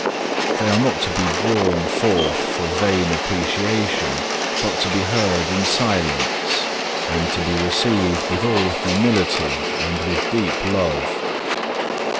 They are not to be drawn forth for vain approbation, but to be heard in silence, and to be received with all humility and with deep love."